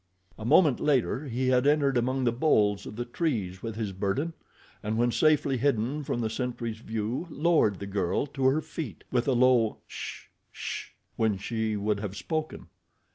A moment later he had entered among the boles of the trees with his burden, and when safely hidden from the sentry's view lowered the girl to her feet, with a low, "sh sh," when she would have spoken.